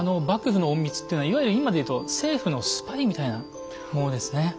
幕府の隠密っていうのはいわゆる今で言うと政府のスパイみたいなものですね。